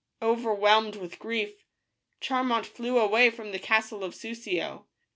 Overwhelmed with grief, Charmant flew away from the castle of Soussio.